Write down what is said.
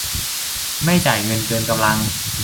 ไม่จ่ายเงินเกินกำลัง